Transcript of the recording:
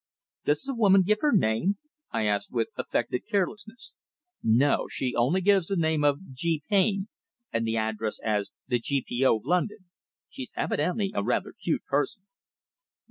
"Does the woman give her name?" I asked with affected carelessness. "No. She only gives the name of 'G. Payne,' and the address as 'The G.P.O., London.' She's evidently a rather cute person."